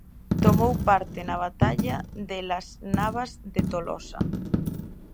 Tomou parte na Batalla de las Navas de Tolosa.